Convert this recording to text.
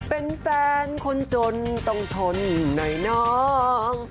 เป็นแฟนคนจนต้องทนหน่อยน้อง